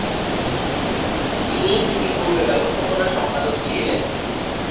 তিনি ইতিপূর্বে ব্যবস্থাপনা সম্পাদক ছিলেন।